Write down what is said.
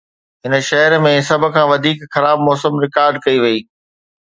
هن شهر ۾ سڀ کان وڌيڪ خراب موسم رڪارڊ ڪئي وئي